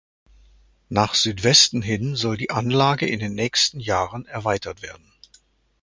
Nach Südwesten hin soll die Anlage in den nächsten Jahren erweitert werden.